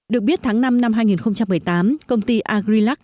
được biết tháng năm năm hai nghìn một mươi tám công ty agrilac